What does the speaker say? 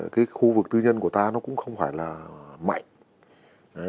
cái khu vực tư nhân của ta nó cũng không phải là mạnh